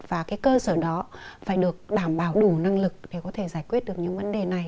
và cái cơ sở đó phải được đảm bảo đủ năng lực để có thể giải quyết được những vấn đề này